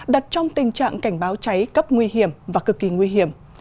đặt trong tình trạng cảnh báo cháy cấp nguy hiểm và cực kỳ nguy hiểm